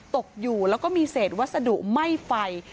ตกอยู่แล้วก็มีเศษวัสดุไหม้ไฟ